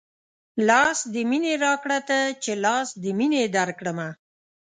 لاس د مينې راکه تۀ چې لاس د مينې درکړمه